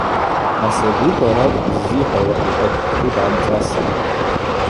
Асабиква ракӏвпӏ ззихӏвауа, – йхӏватӏ Птӏу дгӏамцӏасын.